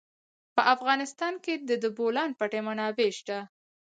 په افغانستان کې د د بولان پټي منابع شته.